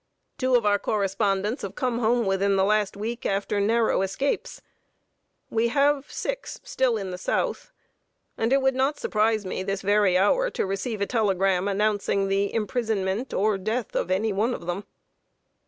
"Two of our correspondents have come home within the last week, after narrow escapes. We have six still in the South; and it would not surprise me, this very hour, to receive a telegram announcing the imprisonment or death of any one of them."